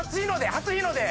初日の出！